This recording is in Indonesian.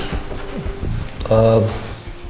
hari ini ibu sarah tidak mau ditemuin